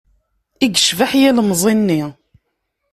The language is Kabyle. I yecbeḥ ilemẓi-nni!